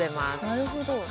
なるほど。